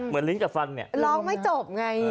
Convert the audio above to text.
เหมือนลิ้นกับฟังเนี่ยร้องไม่จบไง